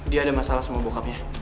dia ada masalah sama bokapnya